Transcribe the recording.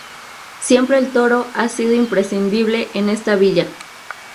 Siempre el toro ha sido imprescindible en esta villa.